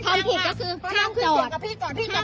คนที่นิสัยไม่ดีและมาระยะตาม